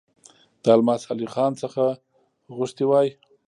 د الماس علي خان څخه غوښتي وای.